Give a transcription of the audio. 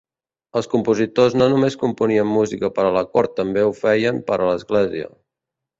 Els compositors no només componien música per a la cort també o feien per l'església.